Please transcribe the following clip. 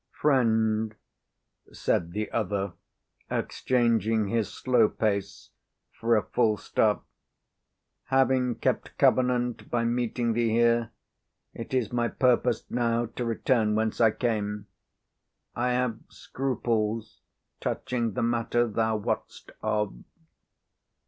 "Friend," said the other, exchanging his slow pace for a full stop, "having kept covenant by meeting thee here, it is my purpose now to return whence I came. I have scruples touching the matter thou wot'st of."